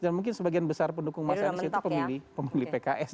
dan mungkin sebagian besar pendukung mas anies itu pemilih pks